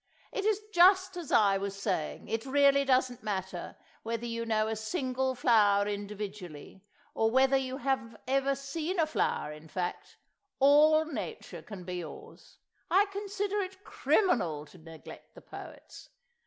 "it is just as I was saying, it really doesn't matter whether you know a single flower individually—or whether you have ever seen a flower, in fact—all nature can be yours. I consider it criminal to neglect the poets.